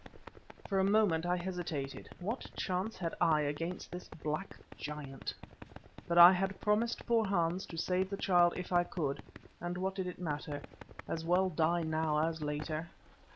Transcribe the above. For a moment I hesitated. What chance had I against this black giant? But I had promised poor Hans to save the child if I could, and what did it matter? As well die now as later.